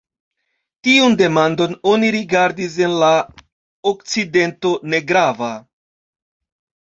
Tiun demandon oni rigardis en la okcidento negrava.